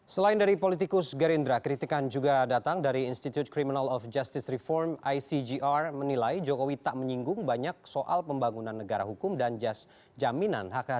selain dari politikus gerindra kritikan juga datang dari institute criminal of justice reform icgr menilai jokowi tak menyinggung banyak soal pembangunan negara hukum dan jaminan hak hak